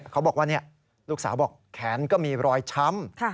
เขาบอกว่าลูกสาวบอกแขนก็มีรอยช้ำ